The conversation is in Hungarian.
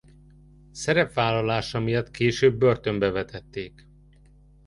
Szerepvállalása miatt később börtönbe vetették.